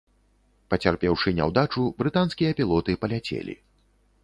Пацярпеўшы няўдачу, брытанскія пілоты паляцелі.